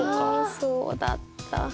そうだった。